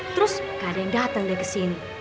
terus gak ada yang datang deh ke sini